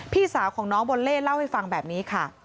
พี่สาวของน้องบอลเล่เล่าให้ฟังแบบนี้ค่ะ